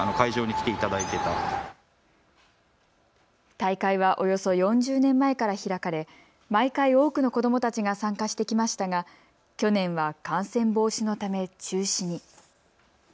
大会はおよそ４０年前から開かれ毎回、多くの子どもたちが参加してきましたが去年は感染防止のため中止に。